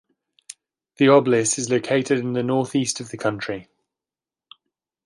The Oblys is located in the northeast of the country.